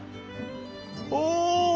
お！